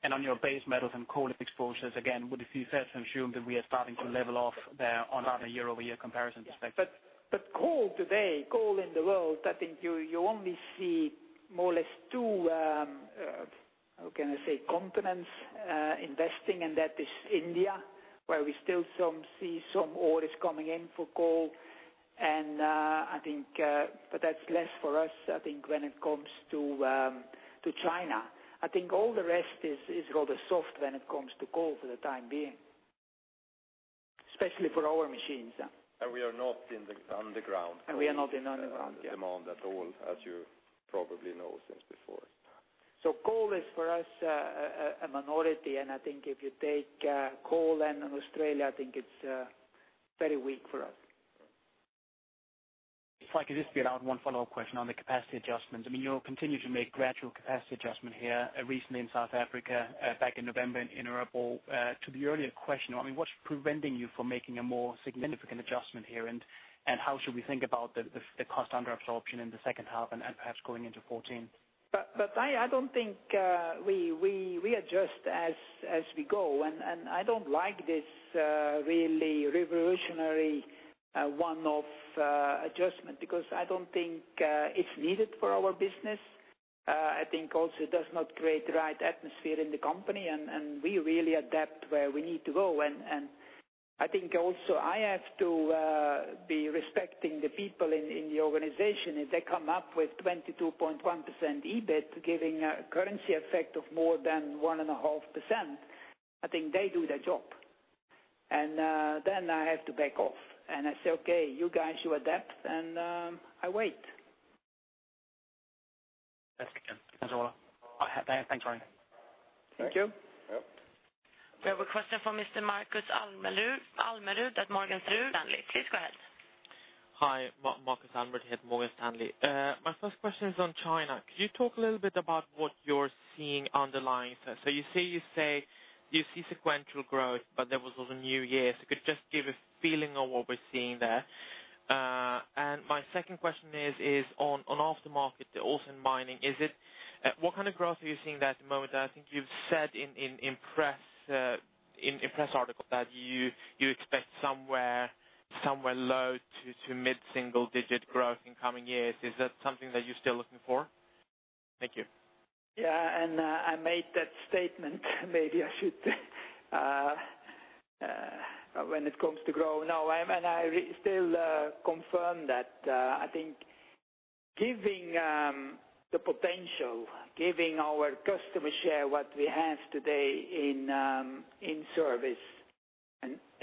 On your base metals and coal exposures, again, would it be fair to assume that we are starting to level off there on a year-over-year comparison perspective?
Coal today, coal in the world, I think you only see more or less two, how can I say, continents investing, and that is India, where we still see some orders coming in for coal. I think that's less for us, I think when it comes to China. I think all the rest is rather soft when it comes to coal for the time being, especially for our machines.
We are not in the underground.
We are not in underground.
Demand at all, as you probably know since before.
Coal is for us, a minority. I think if you take coal and in Australia, I think it's very weak for us.
If I could just be allowed one follow-up question on the capacity adjustment. You'll continue to make gradual capacity adjustment here recently in South Africa, back in November in Europe. To the earlier question, what's preventing you from making a more significant adjustment here, and how should we think about the cost under absorption in the second half and perhaps going into 2014?
I don't think we adjust as we go. I don't like this really revolutionary one-off adjustment because I don't think it's needed for our business. I think also it does not create the right atmosphere in the company, and we really adapt where we need to go. I think also I have to be respecting the people in the organization. If they come up with 22.1% EBIT giving a currency effect of more than one and a half percent, I think they do their job. Then I have to back off and I say, "Okay, you guys, you adapt," and I wait.
That's okay. Thanks a lot. Thanks, Ronnie.
Thank you.
Yep.
We have a question from Mr. Markus Almerud at Morgan Stanley. Please go ahead.
Hi. Markus Almerud here at Morgan Stanley. My first question is on China. Could you talk a little bit about what you're seeing underlying? You say you see sequential growth, but that was on the New Year. Could you just give a feeling of what we're seeing there? My second question is on aftermarket, the [outsourcing mining]. What kind of growth are you seeing there at the moment? I think you've said in press article that you expect somewhere low to mid-single digit growth in coming years. Is that something that you're still looking for? Thank you.
I made that statement. Maybe I should when it comes to grow. I still confirm that, I think giving the potential, giving our customer share what we have today in service.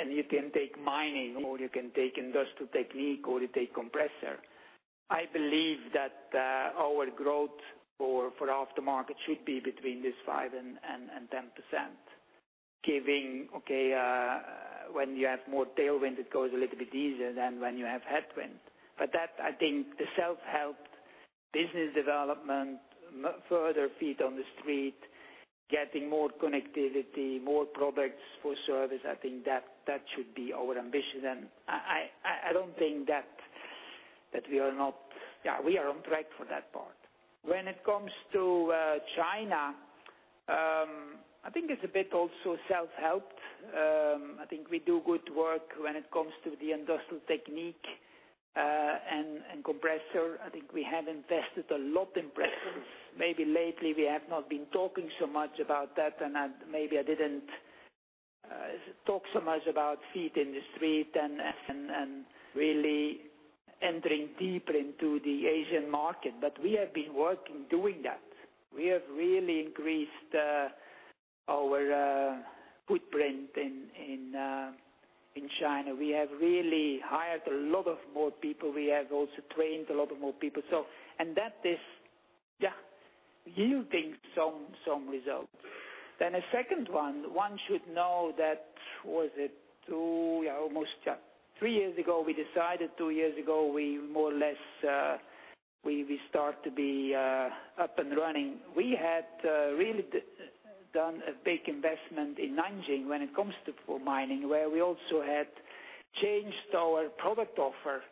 You can take mining or you can take Industrial Technique, or you take Compressor. I believe that our growth for aftermarket should be between this 5% and 10%. Giving, okay, when you have more tailwind, it goes a little bit easier than when you have headwind. That I think the self-help business development, further feet on the street, getting more connectivity, more products for service. I think that should be our ambition. I don't think that we are not on track for that part. When it comes to China, I think it's a bit also self-helped. I think we do good work when it comes to the Industrial Technique, and compressor. I think we have invested a lot in compressors. Maybe lately we have not been talking so much about that, maybe I didn't talk so much about feet in the street and really entering deeper into the Asian market. We have been working doing that. We have really increased our footprint in China. We have really hired a lot of more people. We have also trained a lot of more people. That is yielding some results. A second one should know that, was it 2, almost 3 years ago we decided, 2 years ago, we more or less, we start to be up and running. We had really done a big investment in Nanjing when it comes to mining, where we also had changed our product offer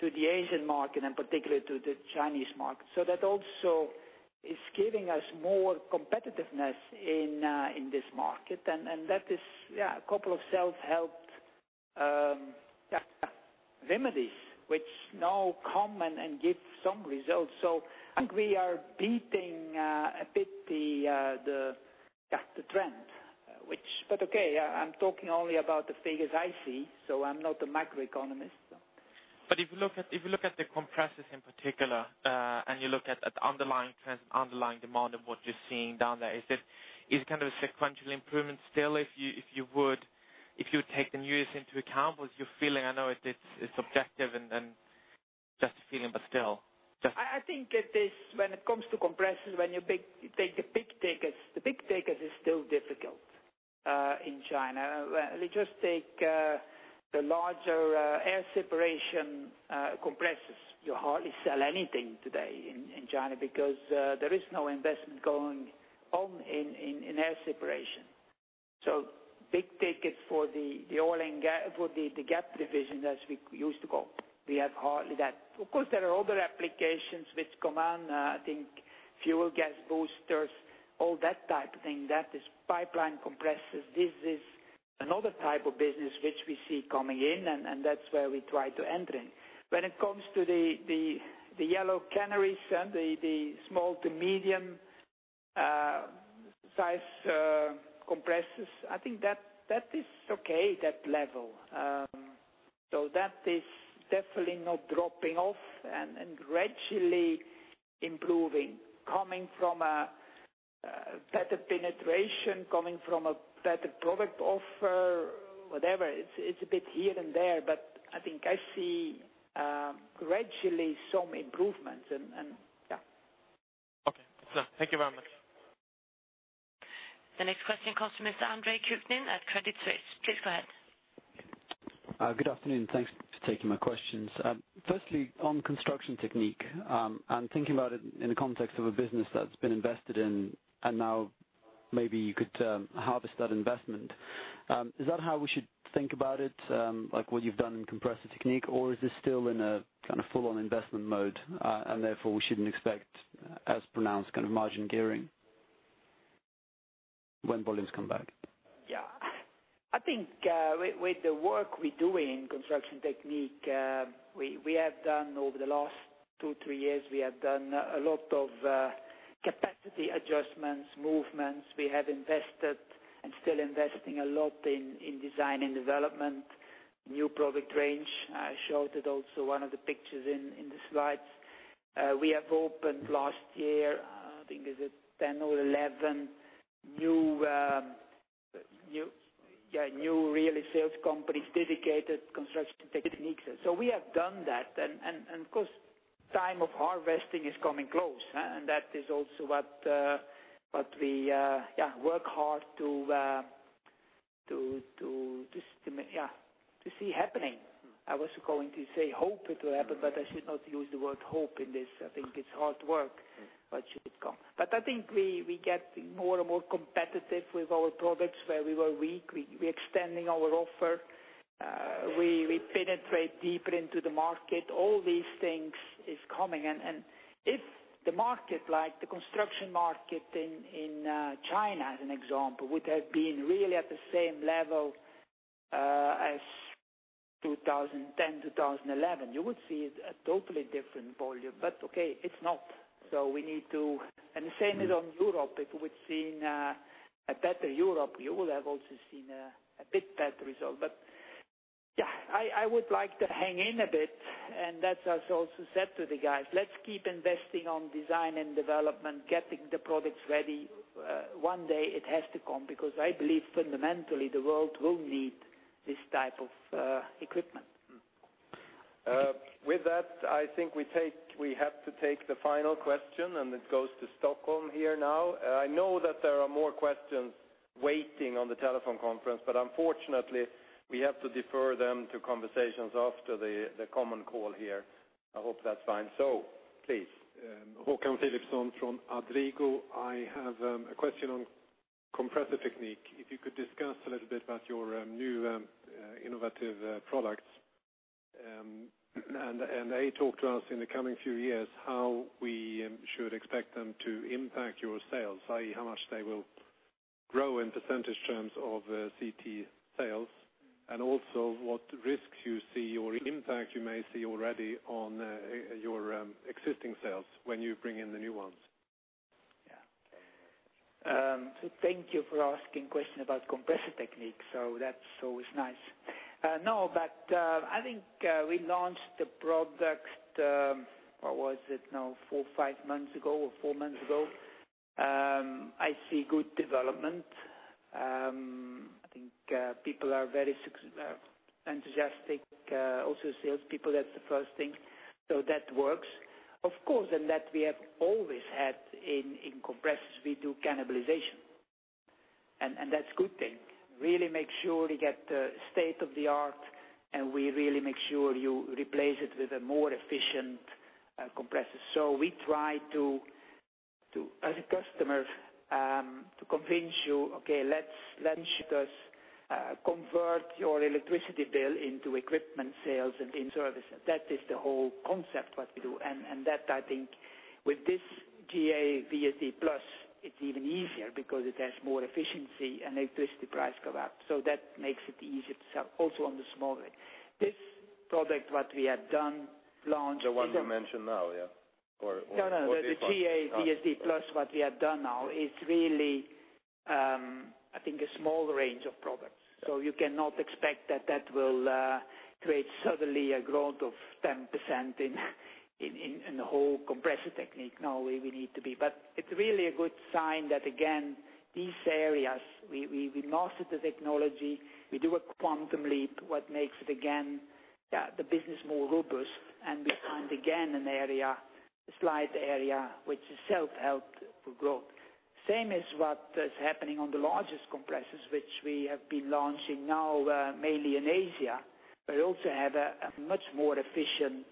to the Asian market and particularly to the Chinese market. That is a couple of self-helped remedies which now come and give some results. I think we are beating a bit the trend. Okay, I'm talking only about the figures I see, I'm not a macroeconomist.
If you look at the compressors in particular, and you look at the underlying trends and underlying demand of what you're seeing down there, is it kind of a sequential improvement still if you would take the New Year's into account, what you're feeling, I know it's objective and just a feeling?
I think it is when it comes to compressors, when you take the big tickets, the big tickets is still difficult in China. Let's just take the larger air separation compressors. You hardly sell anything today in China because there is no investment going on in air separation. Big tickets for the oil and gas, for the Gas and Process division as we used to call, we have hardly that. Of course, there are other applications which come on. I think Fuel Gas Boosters, all that type of thing. That is pipeline compressors. This is another type of business which we see coming in and that's where we try to enter in. When it comes to the yellow canaries and the small to medium size compressors. I think that is okay, that level. That is definitely not dropping off and gradually improving, coming from a better penetration, coming from a better product offer, whatever. It's a bit here and there, but I think I see gradually some improvements and, yeah.
Okay. Thank you very much.
The next question comes from Mr. Andre Kukhnin at Credit Suisse. Please go ahead.
Good afternoon. Thanks for taking my questions. Firstly, on Construction Technique, I'm thinking about it in the context of a business that's been invested in, and now maybe you could harvest that investment. Is that how we should think about it? Like what you've done in Compressor Technique, or is this still in a kind of full-on investment mode, and therefore we shouldn't expect as pronounced kind of margin gearing when volumes come back?
Yeah. I think, with the work we do in Construction Technique, we have done over the last two, three years, we have done a lot of capacity adjustments, movements. We have invested and still investing a lot in design and development, new product range. I showed it also one of the pictures in the slides. We have opened last year, I think is it 10 or 11, new, really, sales companies, dedicated Construction Technique. We have done that and of course, time of harvesting is coming close. That is also what we work hard to see happening. I was going to say hope it will happen, but I should not use the word hope in this. I think it's hard work, but should come. But I think we get more and more competitive with our products where we were weak. We extending our offer. We penetrate deeper into the market. All these things is coming in, if the market, like the construction market in China, as an example, would have been really at the same level as 2010, 2011, you would see a totally different volume. But okay, it's not. We need to The same is on Europe. If we would seen a better Europe, we would have also seen a bit better result. Yeah, I would like to hang in a bit. That I also said to the guys. Let's keep investing on design and development, getting the products ready. One day it has to come because I believe fundamentally the world will need this type of equipment.
With that, I think we have to take the final question, and it goes to Stockholm here now. I know that there are more questions waiting on the telephone conference, but unfortunately, we have to defer them to conversations after the common call here. I hope that's fine. Please.
Håkan Filipson from Adrigo. I have a question on Compressor Technique. If you could discuss a little bit about your new innovative products, and, A, talk to us in the coming few years, how we should expect them to impact your sales, i.e., how much they will grow in % terms of CT sales, and also what risks you see or impact you may see already on your existing sales when you bring in the new ones.
Thank you for asking question about Compressor Technique. That's always nice. I think I launched the product, what was it now? four, five months ago or four months ago. I see good development. I think people are very enthusiastic, also salespeople. That's the first thing. That works. Of course, that we have always had in compressors, we do cannibalization. That's good thing. Really make sure you get the state-of-the-art, and we really make sure you replace it with a more efficient compressor. We try to, as a customer, to convince you, okay, let us convert your electricity bill into equipment sales and in services. That is the whole concept, what we do. That I think with this GA VSD+, it's even easier because it has more efficiency and electricity price go up. That makes it easier to sell also on the small range. This product, what we had done, launched.
The one you mention now, yeah?
The GA VSD+, what we have done now is really, I think a small range of products. You cannot expect that that will create suddenly a growth of 10% in the whole Compressor Technique. It's really a good sign that again, these areas, we mastered the technology. We do a quantum leap. What makes it, again, the business more robust and we find again, an area, a slight area which is self-help for growth. Same as what is happening on the largest compressors, which we have been launching now, mainly in Asia, but also have a much more efficient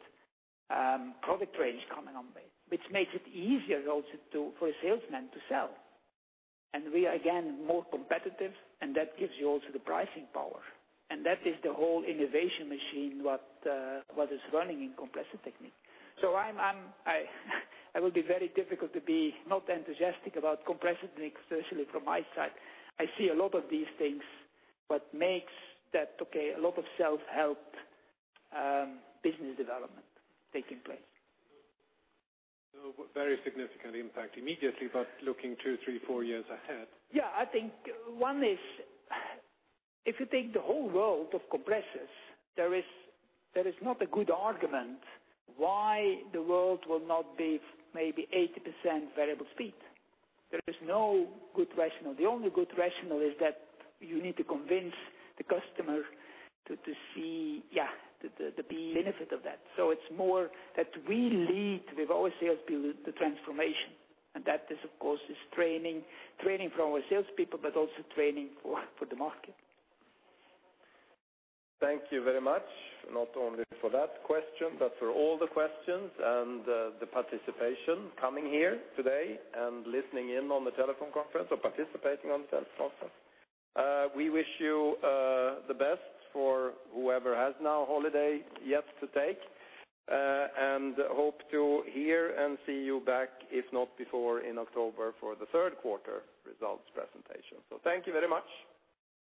product range coming on. Which makes it easier also for a salesman to sell. We are again, more competitive, and that gives you also the pricing power. That is the whole innovation machine, what is running in Compressor Technique. It would be very difficult to be not enthusiastic about Compressor Technique, especially from my side. I see a lot of these things, what makes that a lot of self-help business development taking place.
Very significant impact immediately, but looking two, three, four years ahead.
I think one is, if you take the whole world of compressors, there is not a good argument why the world will not be maybe 80% variable speed. There is no good rationale. The only good rationale is that you need to convince the customer to see the benefit of that. It is more that we lead with our salespeople, the transformation, and that is, of course, is training for our salespeople, but also training for the market.
Thank you very much, not only for that question, but for all the questions and the participation, coming here today and listening in on the telephone conference or participating on the telephone conference. We wish you the best for whoever has now holiday yet to take. Hope to hear and see you back, if not before, in October for the third quarter results presentation. Thank you very much.